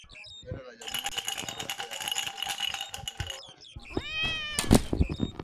Uganda na Jamuhuri ya Demokrasia ya Kongo zimeongeza muda wa shughuli mkakati Shujaa